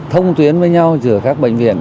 thông tuyến với nhau giữa các bệnh viện